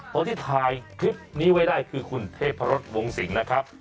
คนที่ถ่ายคลิปนี้ไว้ได้คือคุณเทพรสวงสิงห์นะครับ